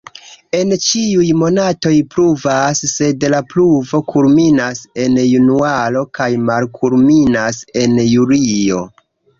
En ĉiuj monatoj pluvas, sed la pluvo kulminas en januaro kaj malkulminas en julio.